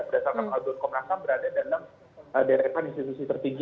berdasarkan aduan kompolnas ham berada dalam deretan institusi tertinggi